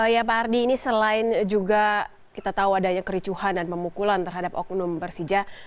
ya pak ardi ini selain juga kita tahu adanya kericuhan dan pemukulan terhadap oknum persija